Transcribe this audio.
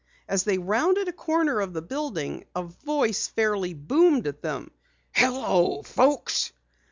As they rounded a corner of the building a voice fairly boomed at them: "Hello, folks!"